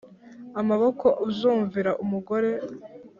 amaboko! uzumvira umugore